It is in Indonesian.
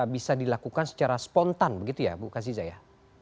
bisa dilakukan secara spontan begitu ya bu kasih zaya